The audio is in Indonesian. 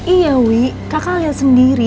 iya wi kakak lihat sendiri